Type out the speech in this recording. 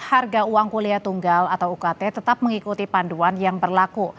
harga uang kuliah tunggal atau ukt tetap mengikuti panduan yang berlaku